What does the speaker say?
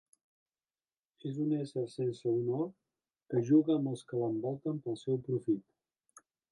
És un ésser sense honor que juga amb els que l'envolten pel seu profit.